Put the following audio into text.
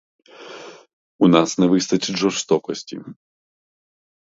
У нас не вистачить жорстокості.